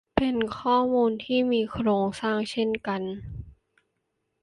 เป็นข้อมูลที่มีโครงสร้างเช่นกัน